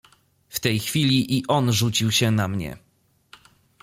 "W tej chwili i on rzucił się na mnie."